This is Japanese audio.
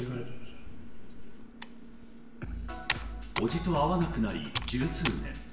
伯父と会わなくなり十数年。